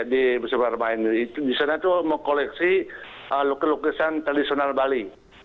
di sana itu mengkoleksi lukisan lukisan tradisional bali